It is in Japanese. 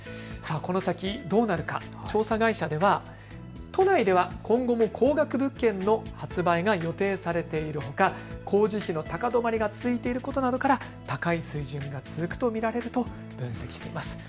この先、どうなるか、調査会社では都内では今後も高額物件の発売が予定されているほか工事費も高止まりが続いていることなどから高い水準が続くと見られると分析しています。